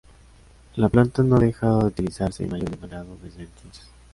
La planta no ha dejado de utilizarse en mayor o menor grado desde entonces.